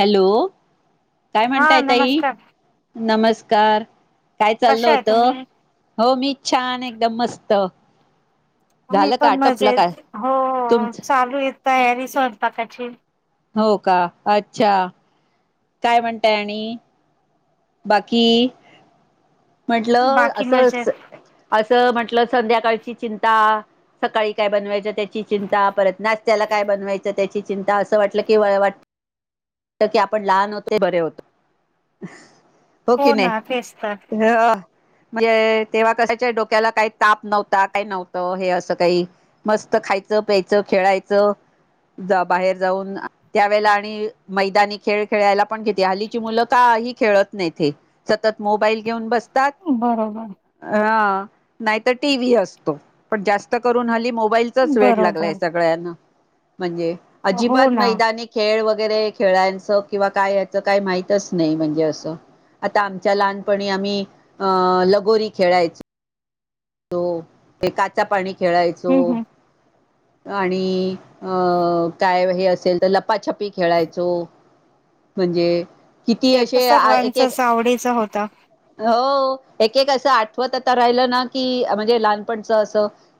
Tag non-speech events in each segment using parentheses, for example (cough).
Hello काय हा म्हणताय ताई नमस्कार नमस्का कार काय चालल कशा आहे होत तुम्ही? हो मी छान एकदम मस्त. मी झालं का पण मजा आटपलं काय येत हो तुमच चालू आहे तयारी स्वयंपाकाची हो का अच्छा काय म्हणताय आणि बाकी म्हंटलं बाकी असं मजेत असं म्हंटलं संध्याकाळची चिंता सकाळी काय बनवायचं त्याची चिंता परत नाशत्याला काय बनवायचं त्याची चिंता असं वाटलं की वाट की आपण लहान होतो बरे होत हो की नई. ना तेच तर म्हणजे तेव्हा कशाच्या डोक्याला काही ताप नव्हता काही नव्हतं हे असं काही मस्त खायचं प्यायचं खेळायचं जा बाहेर जाऊन त्यावेेला आणि मैदानी खेळ खेळायला पण घेते हल्लीची मुलं तर का खेळत नाही ते सतत मोबाईल घेऊन बसतात बरोबर. ह नाही टीव्ही असतो पण जास्त करून हल्ली मोबा मोबाईलचं च वेड लागलाय बरोबर सगळ्यांना म्हणजे हो अजिबात ना हम्म मैदानी खेळ वगै वगैरे खेळायचं किंवा काय याच काही माहितच नाही म्हणजे असं आता आमच्या लहानपणी आम्ही अ लगोरी खेळायच. ते काचा पाणी खेळायचो. हम्म आणि अं काय हे असेल तर लपाछपी खेळायचो. म्हणजे किती ते तर असे एक सर्वांचच आवडीच होतं. हो. एक एक असं आठवत आता राहिलं ना. क म्हणजे लहानपच अस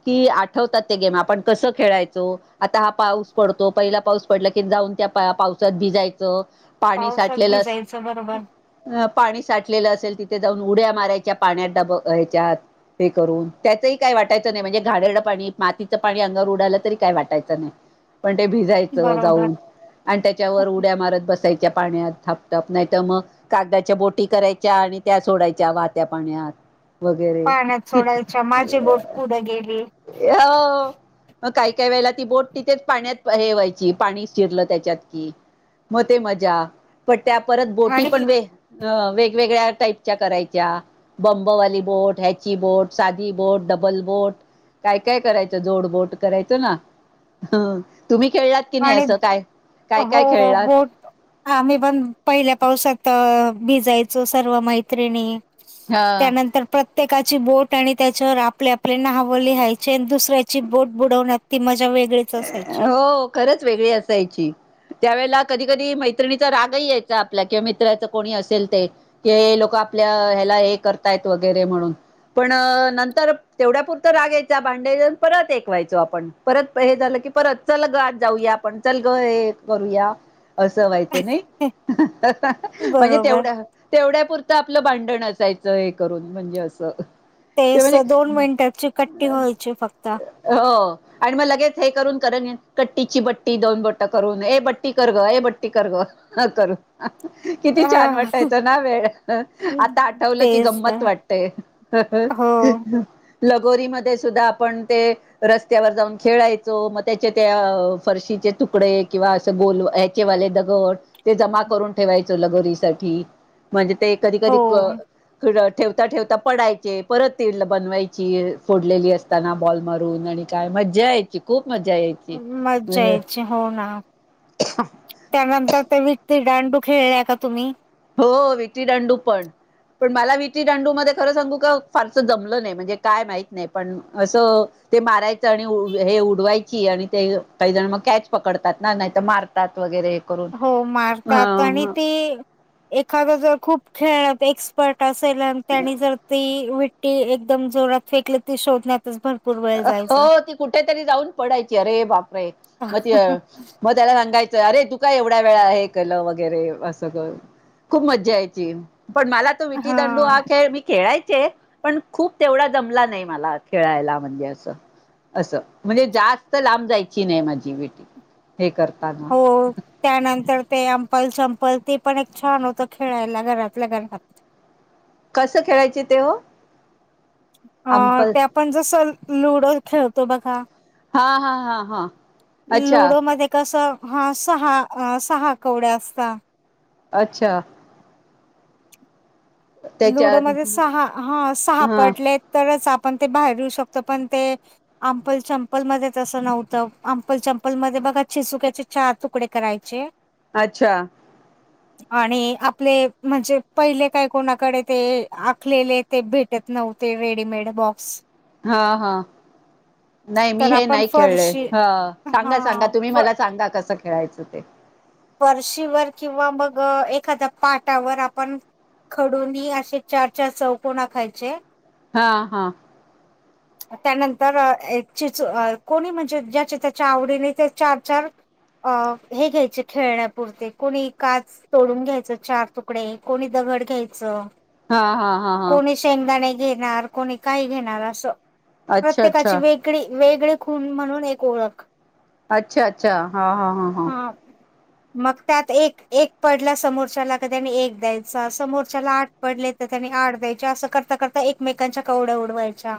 की आठवतात ते गेम आपण कसं खेळायचो आता हा. पाऊस पडतो पहिला पाऊस पडला की जाऊन त्या पावसात भिजायचं. पाणी पावसात साठलेलं भिजायचं बरोबर पाणी साठ. लेलं असेल तिथे जाऊन उड्या मारायच्या पाण्यात डबयच्या. ते करून त्याचंही काय वाटायचं नाही म्हणजे घाणेरड पाणी मातीचं पाणी अंगावर उडालं तरी काय वाटायचं नाही. पण ते भिजायचं बरोबर. जाऊन आणि त्याच्यावर उड्या मारत बसायच. च्या पाण्यात थापथाप नाहीत मग कागदाच्या बोटी करायच्या आणि त्या सोडायच्या वाहत्या पाण्यात. वगैरे पाण्यात कि सोडायच्या माझी बोट पुढे गेली अ. मग काही काही वेळेला ती बोट तिथेच पाण्यात हे व्हायची पाणी शिरलं त्याच्यात की. मते मजा पण त्या परत बोटी आणि पण वे. अ वेगवेगळ्या टाईपच्या करायच्या बंबवाली बोट ह. ची बोट साधी बोट डबल बोट काय काय करायचं जोड बोट करायचं ना. हा. कि नाही असं काय. हो काय हो खेळलात बोट आम्ही पण पहिल्या पावसात. भिजायचो सर्व मैत्रिणी हा त्यानंतर प्र. प्रत्येकाची बोट आणि त्याच्यावर आपले आपले नहावं लिहायचे आणि दुसऱ्याची बोट बुडवण्यात त म वेगळेच असायचे. हो खरंच वेगळी असायची. त्यावेळेला कधी कधी मैत्रिणीचा रागही यायचा आपला किंवा मित्राच कोणी असेल ते कि लोक. आपल्या ह्याला हे करतायत वगैरे म्हणून. पण नंतर तेवढ्यापुरत रागायचा भांडेन परत ऐकवायचो आपण परत. हे झालं की परत चल ग आज जाऊया आप. ण चल ग हे करूया असं व्हायचं नाही म्हणजे बरोबर तेवढ्या तेवढ्या. पुरतं आपलं भांडण असायचं हे करून म्हणजे असं. ते तेच म्हणजे तर दोन मिनिटाची कट्टी व्हायची फक्त. हो आणि मग लगेच हे करून कर कट्टीची बट्टी दोन बट्ट करून ए बट्टी कर ग ए बट्टी कर ग करून किती छान अ, वाटायचं ना वेळ आता आठवलं की तेच तर गंमत वाटते. हो. लगोरी म सुद्धा आपण ते रस्त्यावर जाऊन खेळाय. मग त्याचे त्या फरशीचे तुकडे किंवा असं गोल ह्याचेवाले दगड. ते जमा करून ठेवायचं लगोरीसाठीठी म्हणजे ते कधी कधी. हो ठेवता ठेवता पडायचे परत तीडला बनवायची फोडलेली असताना बॉल मारून आणि काय म्ह मजा येती. मजा यायची हो ना त्यानंतर ते विकती डांडू. खेळल्या का तुम्ही. हॊ हो विकी दांडू पण. पण मला विटी दांडू मध्ये खरं सांगू का फारस जमलं नाही म्हणजे काय माहत नाही पण असं. ते मारायचं आणि हे उडवायची आणि ते काही जण मग कॅच पकडतात ना नाही तर मारतात वगैरे. करून हो मारतात आणि हा ते एखाद जर खूप खेळत एक्सपर्ट. असल आणि त्यानी जर ती विट्टी एकदम जोरात फेकल ती शोधण्यातच ता हो ती कुठेतरी जाऊन पडायची अरे बापरे मग त मग त्याला सांगायची. अरे तू काय एवढा वेळा आहे केलं वगैरे असं खूप मज्जा यायची. पण मला तो विटी दंडू हा खेळ मी खेळायच. खे पण खूप तेवढा जमला नाही मला खेळायला. ण असं म्हणजे जास्त लांब जायची नाही माझी भेटी हो त्यानंतर ते अंपल चंपल ते पण एक छान होत खेळायला घरातल्या घरात. कस खेळायचे ते ओ. अ ते आपण जस लुडो खेळतो बघा. हा हा हा हा अच्छा लुडोमध्ये कसं हा सहा सहा कवड्या असत. अच्छा. त्याच्यात लुडोमध्येध्ये सहा हा सहा हा पडले तरच आत. पण ते बाहेर येऊ शकत पण ते अंपल चंपलमध्ये तसं नव्हतं अंपल चंपलमध्ये. चिचुकायचे चार तुकडे करायचे. अच्छा आणि आपले म्हणजे पहिले काय कोण. कडे ते आखलेले ते भेटत नव्हते रेडीमेड बॉक्स. हा हा नाही मी तर हे आपण नाही खेळले फरशी ह सांगा सांगा हा तुम्ही मला सांगा कस. खेळायचं. ते फरर्शीवर किंवा मग एखाद्या पाटावर आपण. खडूनी असे चार चार चौकणा आकायचे. हा हा त्यानंतर एक चिच कोणी म्हणजे ज्याचे त्याच्या आवडीने ते चार चार. अ हे घ्यायचे खेळण्यापुरते कोणी काच तोडून घ्यायचं चार तुकडे कोणी द गड घ्यायचं. हा हा हा हा कोणी शेंगदाणे घेणार कोणी काही घेणार असं अच्छा प्रत्येकाची अच्छा वेगळी. वेगळे खून म्हणून एक ओळख. अच्छा अच्छा हा हा हा हा. मग त्यात एक पडला समोरच्याला कधी आणि एक द्यायचा समोरच्याला आठ पडले तर. त्यांनी आठ द्यायच्या असं करता करता एकमेकांच्या कवड्या उडवायच्या.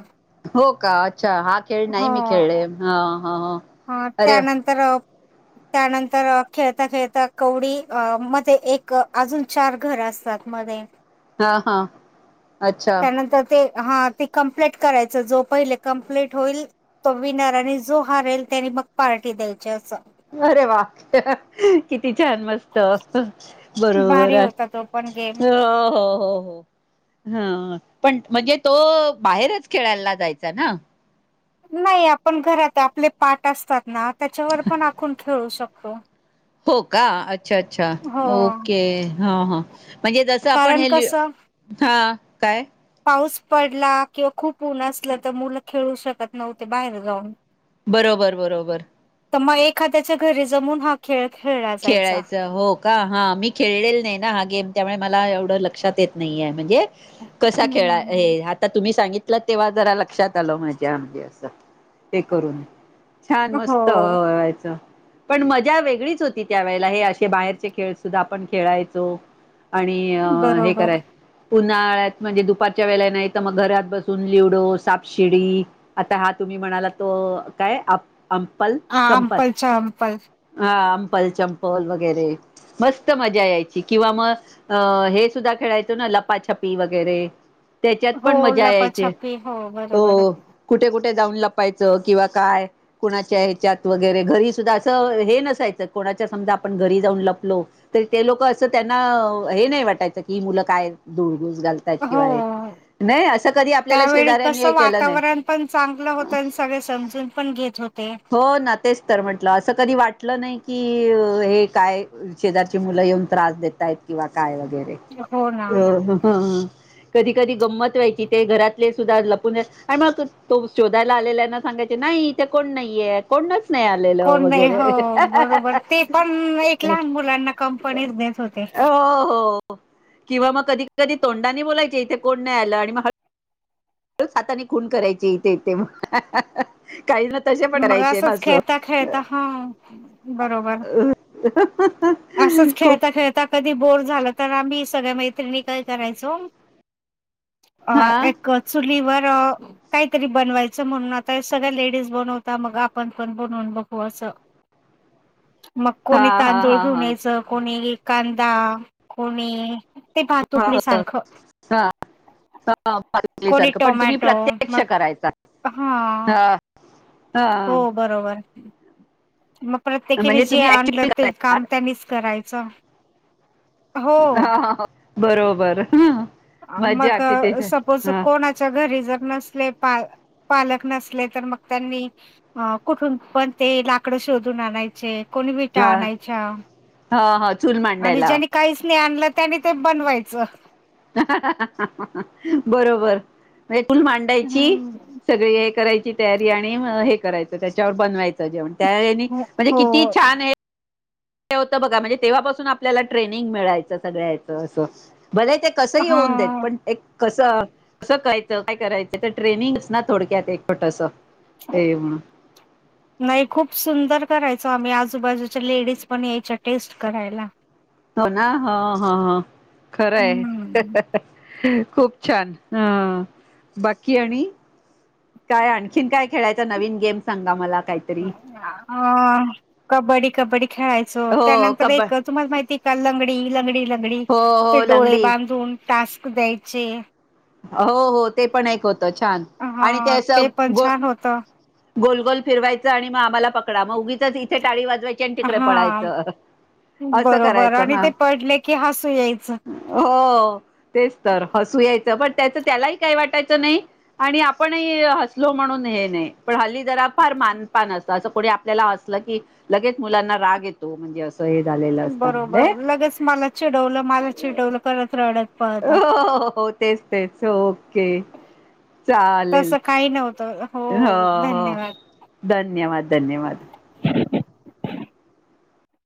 हो का अच्छा हा खेळ नाही मी हो खेळले हा हा हा, अरे. त्यानंतर अ, त्यानंतर खेळता खेळता कवडी मध्ये एक अजून चार घर असत. त्या मध्ये. हा हा अच्छा त्यानंतर ते हा ते कम्प्लीट करायचं. जो पहिले कंप्लीट होईल तो विनर आणि जो हारेल त्यानी मग पार्टी द्यायची असं. अरे वा किती छान मस्त. बरोबर भारी आहे होता तो पण गेम. हो हो हो हो हा पण म्हणजे तो बाहेरच खेळायला जायचा ना? नाही आपण घरात आपले पाठ असतात ना त्याच्यावर पण आखून खेळू शकतो. हो का. अच्छा अच्छा हो ओके. हा हा. म्हणजे जसं आपण कारण हे लिह कसं हा काय? पाऊस पडला किंवा खूप ऊन असलं तर मुलं खेळू शकत नव्हते. बाहेर जाऊन बरोबर बरोबर. तर मग एखाद्याच्या घरी जमून हा खेळ - खेळायचं हो का हा मी खेळलेल नाही ना. हा गेम त्यामुळे मला एवढ लक्षात येत नाही, म्हणजे कसा खेळा हम्म. आता तुम्ही सांगितल. तेव्हा जरा लक्षात आल. माझ्या म्हणजे असं - ते करून छान हो, मस्तवायचं, पण मजा वेगळीच होती. त्या वेळेला हे असे बाहेरचे खेळ सुद्धा आपण खेळायचो. आणि हे बरोबर. करायच उन्हाळ्यात म्हणजे दुपारच्या वेळेला नाही, तर मग घरात बसून ल्युडो सापशिडी आता हा तुम्ही मी म्हणाला तो काय आ अंपल संपल आंपलच्या आंपल. हा. च्म्पल चंपल वगैरे. मस्त मजा यायची किंवा मग अ हे सुद्धा खेळायचो ना, लपाछपी वगैरे, त्याच्यात हो, पण मजा यायची. लपाछपी हो बरोबर आहे. कुठे कुठे? कुठं जाऊन लपायच किंवा काय, कुणाच्या ह्याच्यात वगैरे घरी सुद्धा अस हे नसायचं. कोणाच्या समजा आपण घरी जाऊन लपलो तर, ते लोक असं त्यांना हे नाही वाटायचं की, ही मुलं काय दुअ घूस घालतात हो. किंवा हे. नाही असं कधी आपल्याला त्यावेळी शेजाऱ्यांनी कस हे केलं नाही वातावरण पण चांगलं होतं, आणि सगळे समजून पण घेत होते. हो ना तेच तर म्हटलं असं कधी वाट वाटलं नाही की, हे काय शेजारची मुलं येऊन त्रास देताय किंवा काय? बरं हाय हो ना. अ हहा! कधी कधी गंमत व्हायची ते घरातले सुद्धा लपून आणि मग तो शोधायला आलेल्यांना सांगा नाही इथ कोणच नाहीये कोण कोण नाही हो बरोबर ते पण एक लहान मुलांना कंपनीत देत होते. हो हो किंवा मग कधी कधी तोंडानी बोलायचे इथे कोण नाही आलं आणि मग हळूच हाताने खून करायचे इथे इथे हा हा हा काही ना. तशे पण मग करायचे ना असंच असं. खेळता खेळता हां. बरोबर. असंच खूप खेळता खेळता कधी बोर. झालं तर आम्ही सगळ्या मैत्रिणी काय करायचो? अ हा एक चुलीवर. काहीतरी बनवायचं म्हणून आता सगळ्या लेडीज बनवता. मग आपण पण बनवून बघू असं. सअ (inaudible) मग कोणी तांदूळ घेऊन यायचं, कोणी कांदा, कोणी. ते हा, भातुकली सारखं. हा हा, कोणी बाटलीसारखं पण तुम्ही टोमॅटो प्रत्यक्ष मग करायचा हा. हा हो बरोबर. मग प्रत्येकीने म्हणजे जे तुम्ही आणलं ऍक्च्युअली ते करायचा काम त्यांनीच करायचं. हो हा ह हो बरोबर. मग मज्जा किती छान सपोज हा कोणाच्या घरी जर नसले पाल पालक नसले तर मग त्यांनी कुठून पण ते लाकड शोधून आणायचे. कोणी विटा हा आणायच्या. हा हा. चूल आणि मांडायला ज्यांनी काहीच नाही आणलं, त्यानी ते बनवायचं. हा हा हा हा अ बरोबर. चुल मांडायची हम्म सगळी हे करायची तयारी आणि हे करायचं त्याच्यावर बनवायचं. जेवण त्यावेळी म्हणजे हो किती छान आहे. ते होतं बघा म्हणजे तेव्हापासून आपल्याला ट्रेनिंग मिळायचं सगळ्याचं असं. भले ते कसंही हा येऊन देत पण एक. कसं कसं करायचं काय करायचं तर ट्रेनिंगच ना थोडक्यात एक छोटसं असं. नाही खूप सुंदर करायचं. आम्ही आजूबाजूच्या लेडीज पण यायच्या टेस्ट करायला. हो ना ह ह खरं आहे, हम्म हा हा. खूप छान ह बाकी आणि. काय आणखीन काय खेळायचं नवीन गेम सांगा मला. काहीतरी अ कबड्डी कबड्डी खेळायच. स हो त्यानंतर कब एक तुम्हाला माहिती आहे, का लंगडी, लंगडी. गडी हो ते हो डोळे लंगडी बांधून टास्क द्यायचे. हो हो ते पण एक होतं, छान आणि ते हा अस पण गोल छान होत गोलगोल फिरवायचं आणि मग आम्हाला पकडा मग उगीच इथे टाळी वाजवायची आणि तिकडे हा पडायचं. बरोबर आणि ते पडले की, हस हो तेच तर हसू याय पण त्याचं त्यालाही काही वाटायचं नाही आणि आपणही हसलो म्हणून हे नाही. पण हल्ली जरा फार मानपान असत असं कोणी आपल्याला असलं की लगेच मुलांना राग येतो म्हणजे अस. बरोबर लगेच मला चिडवलं मला चिडवलं करत रडत पळता हो, हो तेच, तेच ओके. चालेल तसं काही नव्हतं (inaudible) ह हो हो. धन्यवाद धन्यवाद, धन्यवाद. (inaudible)